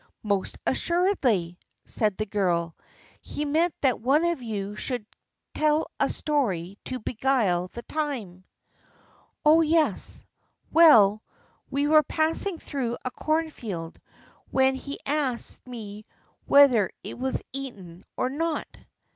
"Most assuredly," said the girl; "he meant that one of you should tell a story to beguile the time." "Oh, yes. Well, we were passing through a corn field, when he asked me whether it was eaten or not."